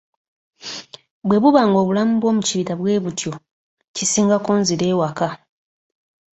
Bwe buba ng'obulamu bw'omukibira bwe butyo, kisingako nzire ewaka.